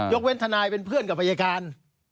เว้นทนายเป็นเพื่อนกับอายการ